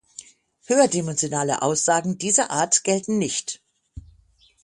Höherdimensionale Aussagen dieser Art gelten nicht.